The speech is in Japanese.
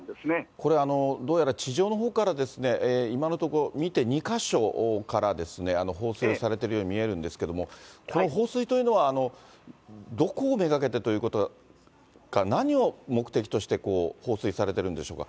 これ、どうやら地上のほうから、今のところ、見て、２か所から放水をされてるように見えるんですけれども、この放水というのは、どこを目がけてということか、何を目的として放水されてるんでしょうか。